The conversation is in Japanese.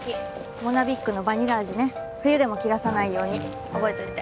モナビッグのバニラ味ね冬でも切らさないように覚えといて。